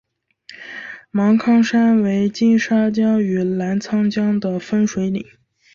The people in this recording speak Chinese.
芒康山为金沙江与澜沧江的分水岭。